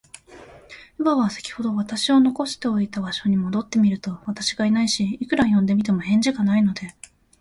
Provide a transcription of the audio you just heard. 乳母は、さきほど私を残しておいた場所に戻ってみると、私がいないし、いくら呼んでみても、返事がないので、